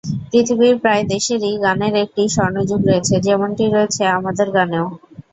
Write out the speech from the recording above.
পৃথিবীর প্রায় দেশেরই গানের একটি স্বর্ণযুগ রয়েছে, যেমনটি রয়েছে আমাদের গানেও।